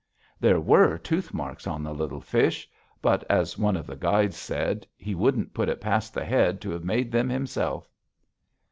There were tooth marks on the little fish, but, as one of the guides said, he wouldn't put it past the Head to have made them himself.